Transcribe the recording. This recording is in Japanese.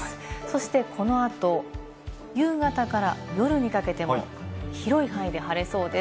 そしてこの後、夕方から夜にかけても広い範囲で晴れそうです。